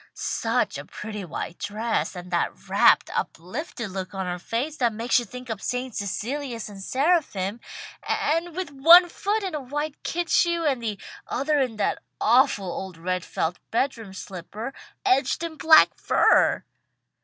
Such a pretty white dress, and that rapt, uplifted look on her face that makes you think of St. Cecilias and seraphim, and with one foot in a white kid shoe, and the other in that awful old red felt bedroom slipper, edged in black fur!"